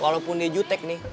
walaupun dia jutek nih